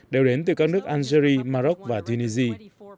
đều đến từ các nước algeria maroc và tunisia